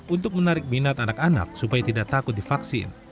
untuk menarik minat anak anak supaya tidak takut divaksin